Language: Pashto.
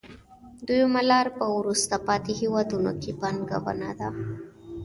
دویمه لار په وروسته پاتې هېوادونو کې پانګونه ده